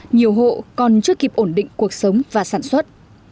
nhiều hộ còn chưa kịp ổn định cuộc sống và sản xuất